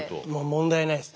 問題ないです。